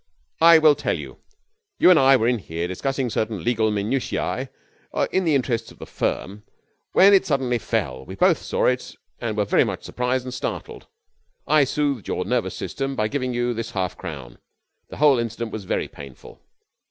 'I will tell you. You and I were in here, discussing certain legal minutiae in the interests of the firm, when it suddenly fell. We both saw it and were very much surprised and startled. I soothed your nervous system by giving you this half crown. The whole incident was very painful.